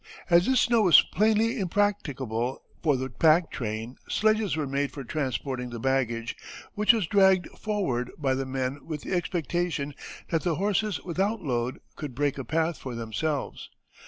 As this snow was plainly impracticable for the pack train, sledges were made for transporting the baggage, which was dragged forward by the men with the expectation that the horses without load could break a path for themselves.